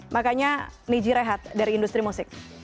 makanya niji rehat dari industri musik